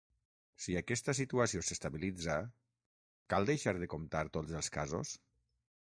Si aquesta situació s’estabilitza, cal deixar de comptar tots els casos?